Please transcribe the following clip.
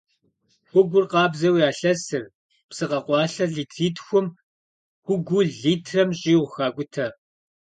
Хугур къабзэу ялъэсыр, псы къэкъуалъэ литритхум хугуу литрэм щӏигъу хакӏутэ.